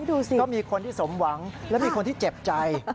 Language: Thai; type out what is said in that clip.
ดูสิก็มีคนที่สมหวังและมีคนที่เจ็บใจ